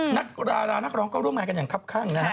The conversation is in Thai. ดารานักร้องก็ร่วมงานกันอย่างคับข้างนะฮะ